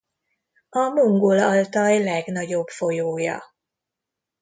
A Mongol-Altaj legnagyobb folyója.